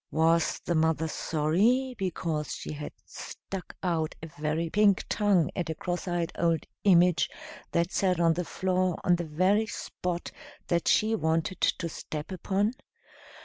Was the mother sorry because she had stuck out a very pink tongue at a cross eyed old image that sat on the floor on the very spot that she wanted to step upon?